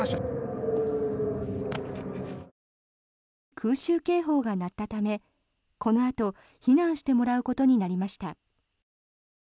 空襲警報が鳴ったためこのあと、避難してもらうことになりました。